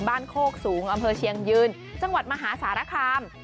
โคกสูงอำเภอเชียงยืนจังหวัดมหาสารคาม